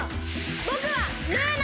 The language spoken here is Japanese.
ぼくはルーナ！